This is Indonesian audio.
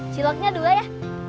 ciloknya dua ya